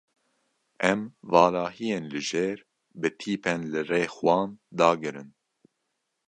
Em valahiyên li jêr bi tîpên li rex wan dagirin.